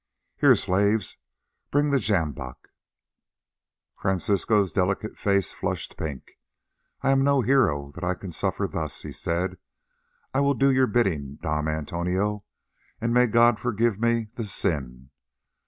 Here, slaves, bring the sjamboch." Francisco's delicate face flushed pink. "I am no hero that I can suffer thus," he said; "I will do your bidding, Dom Antonio, and may God forgive me the sin!